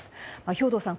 兵頭さん